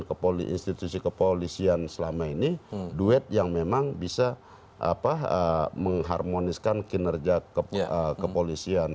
dan kepolisian selama ini duet yang memang bisa mengharmoniskan kinerja kepolisian